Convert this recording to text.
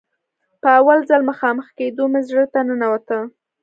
په اول ځل مخامخ کېدو مې زړه ته ننوته.